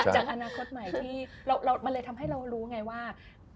จากอนาคตใหม่มันทำให้เรารู้ไงว่า